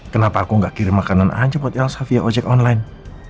kenapa aku gak kirim makanan aja buat elsa via ojek online